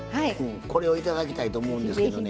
これをいただきたいと思うんですけどね。